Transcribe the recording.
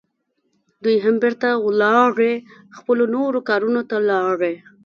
دوی هم بیرته ولاړې، خپلو نورو کارونو ته لاړې.